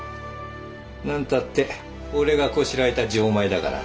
何たって俺がこしらえた錠前だから。